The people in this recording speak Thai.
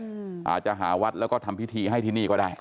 อาจจะหาวัดแล้วก็ทำพิธีให้ที่นี่ก็ได้